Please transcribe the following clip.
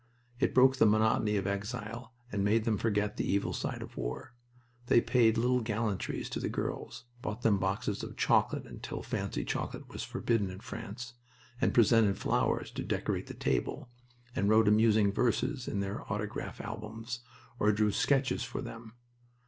It broke the monotony of exile and made them forget the evil side of war. They paid little gallantries to the girls, bought them boxes of chocolate until fancy chocolate was forbidden in France, and presented flowers to decorate the table, and wrote amusing verses in their autograph albums or drew sketches for them.